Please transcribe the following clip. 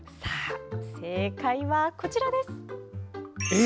正解はこちらです。